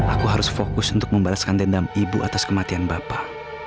aku harus fokus untuk membalaskan dendam ibu atas kematian bapak